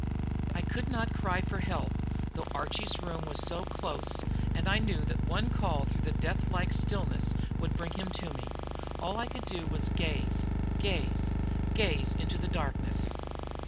I could not cry for help, though Archie's room was so close, and I knew that one call through the death like stillness would bring him to me; all I could do was to gaze, gaze, gaze into the darkness.